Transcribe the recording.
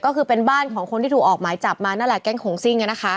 ก็คือเป็นบ้านของคนที่ถูกออกหมายจับมานั่นแหละแก๊งหงซิ่ง